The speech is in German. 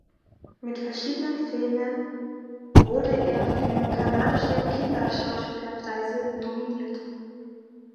Mit verschiedenen Filme wurde er für kanadische Kinderschauspielerpreise nominiert.